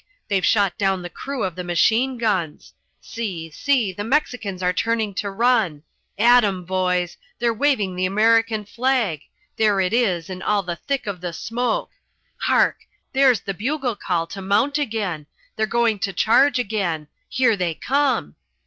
They've shot down the crew of the machine guns. See, see, the Mexicans are turning to run. At 'em, boys! They're waving the American flag! There it is in all the thick of the smoke! Hark! There's the bugle call to mount again! They're going to charge again! Here they come!"